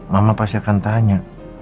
mama pasti akan tanya